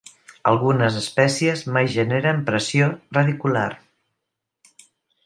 Algunes espècies mai generen pressió radicular.